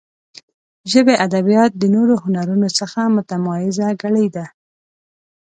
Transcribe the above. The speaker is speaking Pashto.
ژبې ادبیات د نورو هنرونو څخه متمایزه کړي دي.